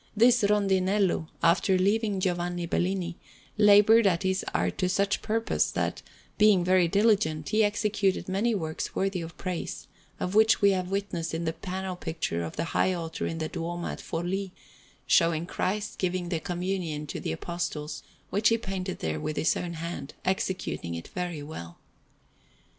This Rondinello, after leaving Giovanni Bellini, laboured at his art to such purpose, that, being very diligent, he executed many works worthy of praise; of which we have witness in the panel picture of the high altar in the Duomo at Forlì, showing Christ giving the Communion to the Apostles, which he painted there with his own hand, executing it very well.